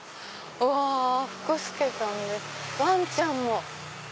うわ福助さんにワンちゃんも。